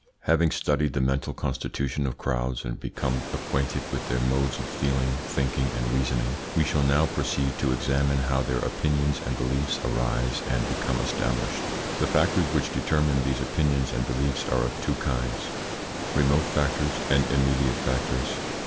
Having studied the mental constitution of crowds and become acquainted with their modes of feeling, thinking, and reasoning, we shall now proceed to examine how their opinions and beliefs arise and become established. The factors which determine these opinions and beliefs are of two kinds: remote factors and immediate factors.